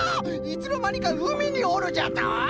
いつのまにかうみにおるじゃと！？